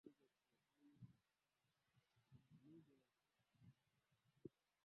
mlo wa kimasai hutokana na ngombe